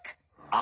あ！